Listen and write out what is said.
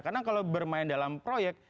karena kalau bermain dalam proyek